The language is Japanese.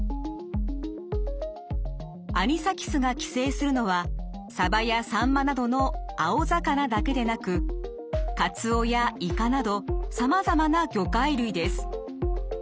アニサキスが寄生するのはサバやサンマなどの青魚だけでなくカツオやイカなどさまざまな魚介類です。